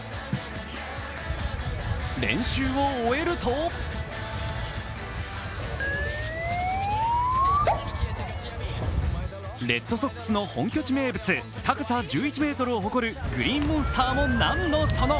練習を終えるとレッドソックスの本拠地名物、高さ１１ｍを誇る、グリーンモンスターもなんのその。